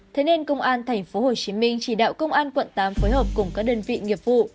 thế nên công an tp hcm chỉ đạo công an quận tám phối hợp cùng các đơn vị nghiệp vụ